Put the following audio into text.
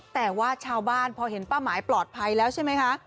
แต่ว่าชาวบ้านพอเห็นป้าหมายปลอดภัยแล้วใช่ไหมคะ